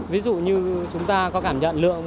ví dụ như chúng ta có cảm nhận